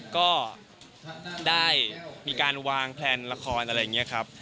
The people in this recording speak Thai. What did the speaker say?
ก็ได้มีการวางแพลนละครอะไรอย่างนี้ครับ